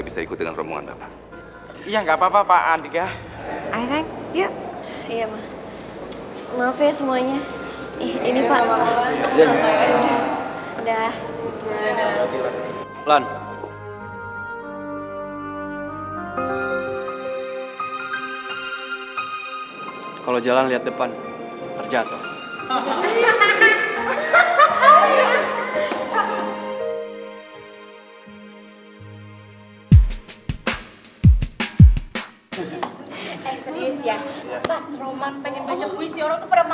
saking kerennya kayak gue